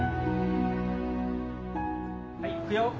はいいくよ。